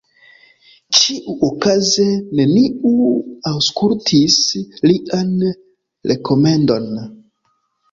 Ĉiuokaze neniu aŭskultis lian rekomendon.